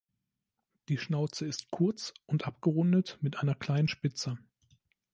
Die Schnauze ist kurz und abgerundet mit einer kleinen Spitze.